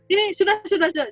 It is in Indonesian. ini sudah sudah sudah